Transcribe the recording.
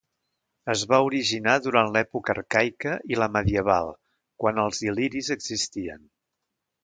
Es va originar durant l'època arcaica i la medieval, quan els il·liris existien.